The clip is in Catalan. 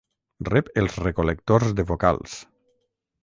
Rep els recol·lectors de vocals.